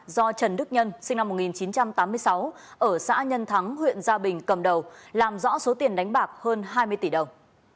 do trần đức nhân sinh năm một nghìn chín trăm tám mươi sáu ở xã nhân thắng huyện gia bình cầm đầu làm rõ số tiền đánh bạc hơn hai mươi tỷ đồng